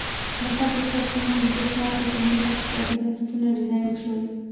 د خلکو د سرچینو زبېښاک په موخه اقتصادي بنسټونه ډیزاین شول.